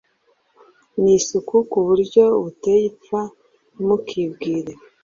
nisuku ku buryo buteye ipfa Ntimukibwire